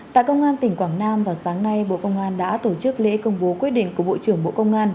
tại công an tỉnh quảng nam vào sáng nay bộ công an đã tổ chức lễ công bố quyết định của bộ trưởng bộ công an